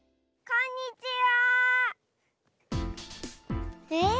こんにちは。